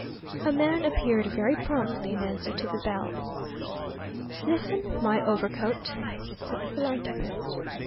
A man appeared very promptly in answer to the bell. "Sniffen, my overcoat," said the philanthropist.